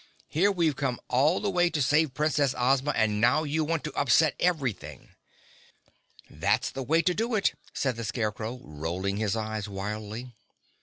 "Here we've come all this way to save Princess Ozma and now you want to upset everything." "That's the way to do it," said the Scarecrow, rolling his eyes wildly.